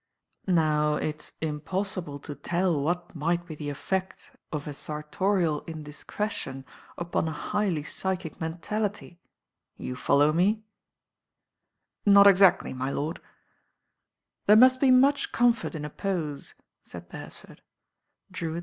Now it's impossible to tell what might be the effect of a sar^ torial indiscretion upon a highly psychic mentality. You follow me?" aa3 fS4 THE RAIN GIRL w i "Not exactly, my lord." "There must be much comfort in a pose, said Beresford. Drewltt.